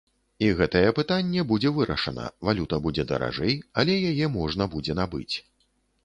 І гэтае пытанне будзе вырашана, валюта будзе даражэй, але яе можна будзе набыць.